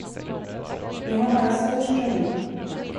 Vi har bara stor strömming.